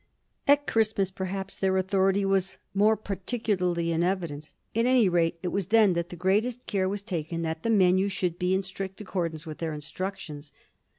At Christmas, perhaps, their authority was more particularly in evidence; at any rate, it was then that the greatest care was taken that the menu should be in strict accordance with their instructions.